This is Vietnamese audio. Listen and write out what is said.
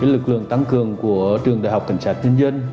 lực lượng tấm gương của trường đại học cảnh sát nhân dân